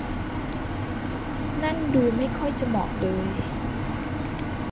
นั่นดูไม่ค่อยจะเหมาะเลย